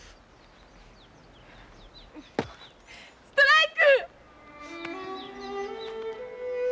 ストライク！